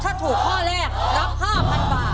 ถ้าถูกข้อแรกรับ๕๐๐๐บาท